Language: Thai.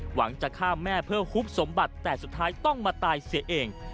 หวังจะฆ่าแม่เพื่อฮุบสมบัติแต่สุดท้ายต้องมาตายเสียเอง